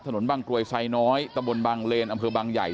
ถนนบางกรวยไซน้อยตะบนบางเลนอำเภอบางใหญ่